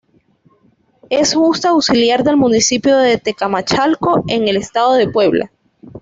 Es junta auxiliar del municipio de Tecamachalco en el estado de Puebla.